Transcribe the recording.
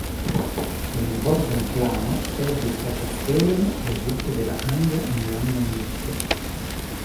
La Gordon-klano perdis la kastelon rezulte de la angla enlanda milito.